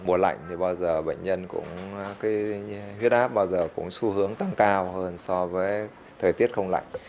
mùa lạnh thì bao giờ bệnh nhân cũng huyết áp bao giờ cũng xu hướng tăng cao hơn so với thời tiết không lạnh